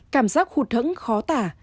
cảm giác khu thẫn khó tả